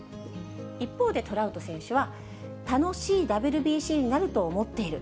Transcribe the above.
一方でトラウト選手は、楽しいＷＢＣになると思っている。